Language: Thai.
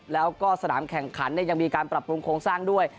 แล้วก็สนามแข่งขันยังมีการปรับปรุงโครงสร้างด้วย